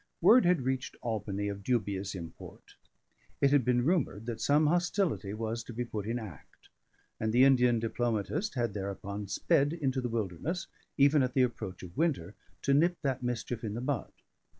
Word had reached Albany of dubious import; it had been rumoured some hostility was to be put in act; and the Indian diplomatist had, thereupon, sped into the Wilderness, even at the approach of winter, to nip that mischief in the bud.